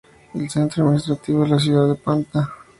El centro administrativo es la ciudad de Patna.